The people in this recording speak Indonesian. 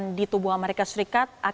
kemudian di dalam perjalanan ke negara